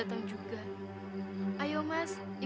aku tidak mau mati